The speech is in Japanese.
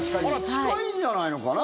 近いんじゃないのかな？